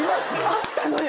あったのよ。